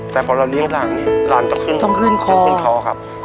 แต่พอเราเลี้ยงหลานเนี่ยหลานจะขึ้นคอครับ